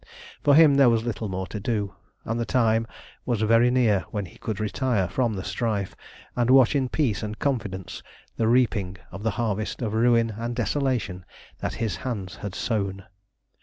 For him there was little more to do, and the time was very near when he could retire from the strife, and watch in peace and confidence the reaping of the harvest of ruin and desolation that his hands had sown.